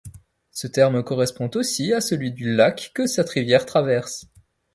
Ce terme correspond aussi à celui du lac que cette rivière traverse.